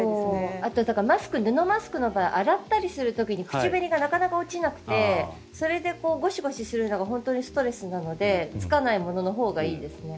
あと布マスクの場合洗ったりする場合に口紅がなかなか落ちなくてそれでゴシゴシするのが本当にストレスなのでつかないもののほうがいいです。